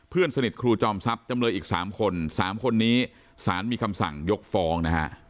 เพื่อนสนิทครูจอมทรัพย์จำเลยอีก๓คน๓คนนี้สารมีคำสั่งยกฟ้องนะฮะ